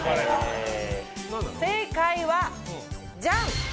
正解はジャン。